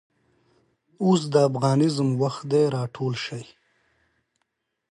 اوس دافغانیزم وخت دی راټول شئ